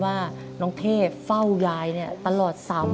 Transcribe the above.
ทำงานชื่อนางหยาดฝนภูมิสุขอายุ๕๔ปี